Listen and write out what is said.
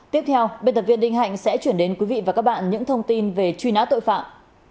tiếp theo biên tập viên đinh hạnh sẽ chuyển đến quý vị và các bạn những thông tin về truy nã tội phạm